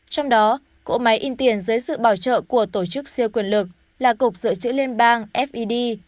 trong đó cỗ máy in tiền dưới sự bảo trợ của tổ chức siêu quyền lực là cục dự trữ liên bang fid